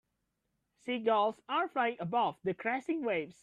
Seagulls are flying above the crashing waves.